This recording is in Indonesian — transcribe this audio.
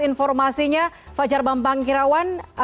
informasinya fajar bambang kirawan